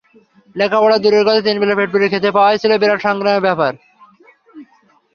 লেখাপড়া দূরের কথা, তিনবেলা পেটপুরে খেতে পাওয়াই ছিল বিরাট সংগ্রামের ব্যাপার।